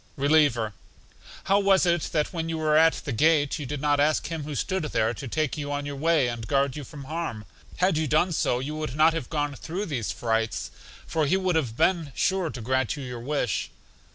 Reliever: How was it that when you were at the gate you did not ask Him who stood there to take you on your way, and guard you from harm? Had you done so you would not have gone through these frights, for He would have been sure to grant you your wish.